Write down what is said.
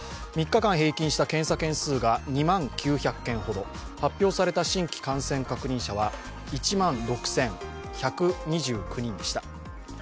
３日間平均した検査件数が２万９００件ほど、発表された新規感染確認者は１万６１２９人でした。